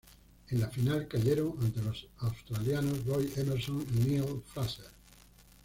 En la final cayeron ante los australianos Roy Emerson y Neale Fraser.